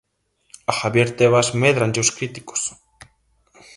A Javier Tebas médranlle os críticos.